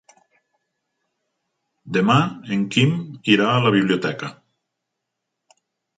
Demà en Quim irà a la biblioteca.